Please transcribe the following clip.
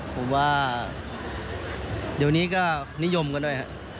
ผมว่าเดี๋ยวนี้ก็นิยมกันด้วยครับ